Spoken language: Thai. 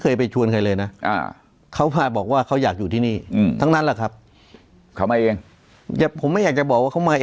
เขาก็มีโยกย้ายกันไปโยกย้ายกันมา